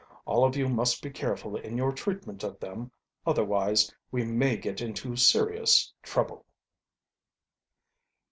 All of you must be careful in your treatment of them, otherwise we may get into serious trouble."